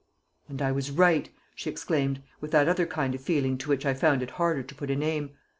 "And I was right!" she exclaimed, with that other kind of feeling to which I found it harder to put a name.